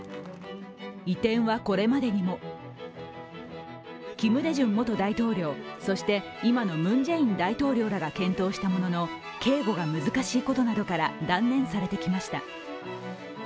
移転は、これまでにもキム・デジュン元大統領、そして今のムン・ジェイン大統領らが検討したものの、警護が難しいことなどから断念されてきました。